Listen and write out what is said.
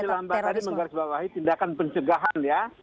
saya penjual istilah mbak tadi menggarisbawahi tindakan pencegahan ya